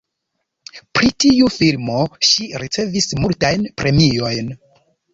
Pri tiu filmo ŝi ricevis multajn premiojn.